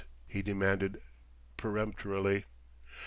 he demanded peremptorily.